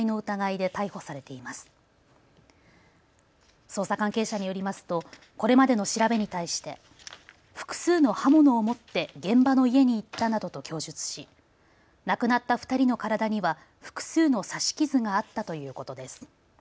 捜査関係者によりますとこれまでの調べに対して複数の刃物を持って現場の家に行ったなどと供述し亡くなった２人の体には複数の刺し傷があったということです。